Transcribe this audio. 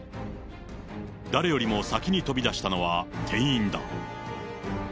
誰よりも先に飛び出したのは、店員だ。